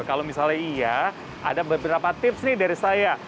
kalau misalnya iya ada beberapa tips nih dari saya